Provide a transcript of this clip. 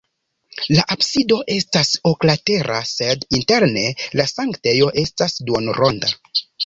La absido estas oklatera, sed interne la sanktejo estas duonronda.